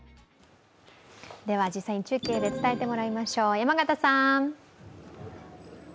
実際に中継で伝えてもらいましょう、山形さん！